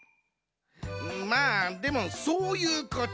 まあでもそういうこっちゃ。